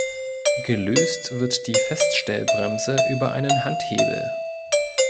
Gelöst wird die Feststellbremse über einen Handhebel.